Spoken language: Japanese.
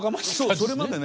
それまでね